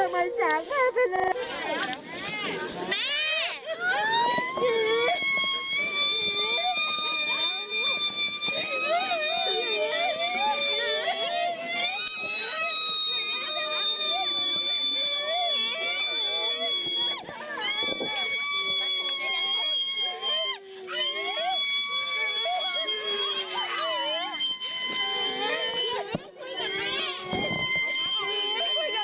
แม่